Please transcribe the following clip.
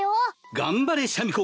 頑張れシャミ子